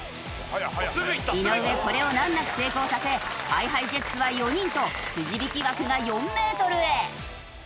井上これを難なく成功させＨｉＨｉＪｅｔｓは４人とくじ引き枠が４メートルへ。